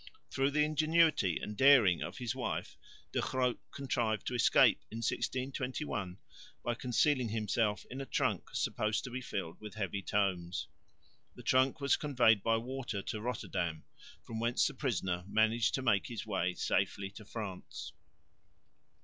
Through the ingenuity and daring of his wife De Groot contrived to escape in 1621 by concealing himself in a trunk supposed to be filled with heavy tomes. The trunk was conveyed by water to Rotterdam, from whence the prisoner managed to make his way safely to France.